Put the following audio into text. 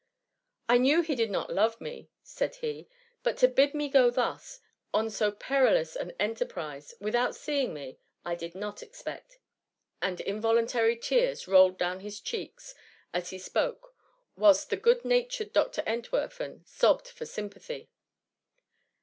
*^ I knew he did not love me,'' said he, " but to bid me go thus, on so perilous an enterprise, without seeing me, I did not expect,'' and invo* luntary tears rolled down his cheeks as he spoke, whilst the good natured Dr. Entwerfen sobbed for sympathy.